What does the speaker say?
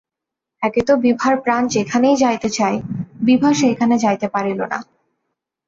একে তো বিভার প্রাণ যেখানে যাইতে চায়, বিভা সেখানে যাইতে পারিল না।